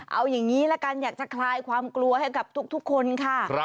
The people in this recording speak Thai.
เอาอย่างนี้ละกันอยากจะคลายความกลัวให้กับทุกคนค่ะ